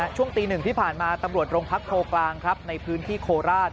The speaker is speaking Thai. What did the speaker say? ช่วงตีหนึ่งที่ผ่านมาตำรวจโรงพักโพกลางครับในพื้นที่โคราช